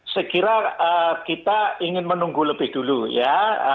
sekiranya kita ingin menunggu lebih dulu ya